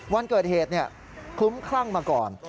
วันเกิดเหตุคลุ้มคลั่งมาก่อน